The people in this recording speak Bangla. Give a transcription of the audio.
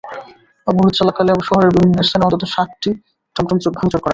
অবরোধ চলাকালে শহরের বিভিন্ন স্থানে অন্তত সাতটি টমটম ভাঙচুর করা হয়।